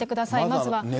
まずは。